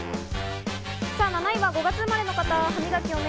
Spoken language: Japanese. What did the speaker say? ７位は５月生まれの方。